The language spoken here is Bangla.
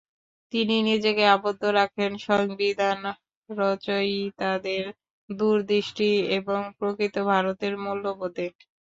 তিনি নিজেকে আবদ্ধ রাখেন সংবিধান রচয়িতাদের দূরদৃষ্টি এবং প্রকৃত ভারতের মূল্যবোধে।